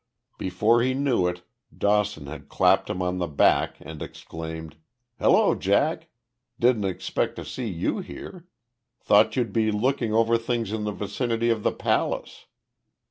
Before he knew it Dawson had clapped him on the back and exclaimed: "Hello, Jack! Didn't expect to see you here thought you'd be looking over things in the vicinity of the Palace."